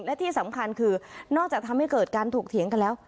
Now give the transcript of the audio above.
และที่สำคัญคือนอกจากทำให้เกิดการถกเถียงกันแล้ว